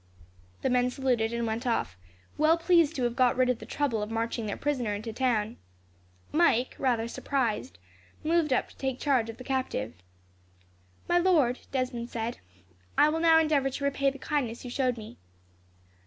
The men saluted and went off, well pleased to have got rid of the trouble of marching their prisoner into the town. Mike, rather surprised, moved up to take charge of the captive. "My lord," Desmond said, "I will now endeavour to repay the kindness you showed me.